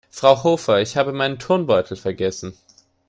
Frau Hofer, ich habe meinen Turnbeutel vergessen.